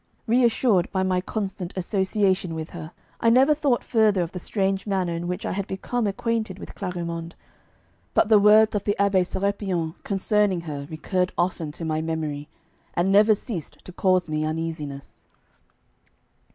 Reassured by my constant association with her, I never thought further of the strange manner in which I had become acquainted with Clarimonde. But the words of the Abbé Sérapion concerning her recurred often to my memory, and never ceased to cause me uneasiness.